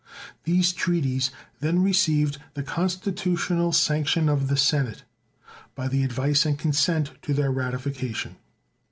These treaties then received the constitutional sanction of the Senate, by the advice and consent to their ratification.